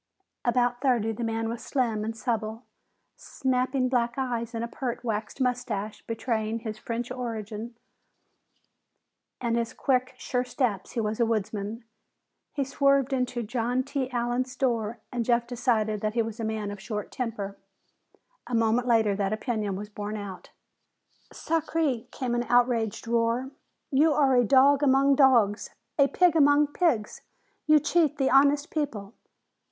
About thirty, the man was slim and supple. Snapping black eyes and a pert waxed mustache betrayed his French origin, and from his quick, sure steps he was a woodsman. He swerved into John T. Allen's store and Jeff decided that he was a man of short temper. A moment later, that opinion was borne out. "Sacré!" came an outraged roar. "You are a dog among dogs! A pig among pigs! You cheat the honest people!"